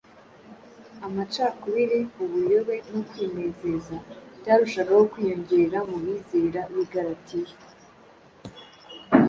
amacakubiri, ubuyobe no kwinezeza byarushagaho kwiyongera mu bizera b’i Galatiya.